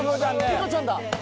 ニコちゃんだ！